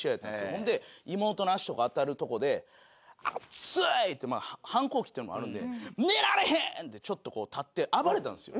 ほんで妹の足とか当たるとこで「暑い！」ってまあ反抗期というのもあるので「寝られへん！」ってちょっとこう立って暴れたんですよ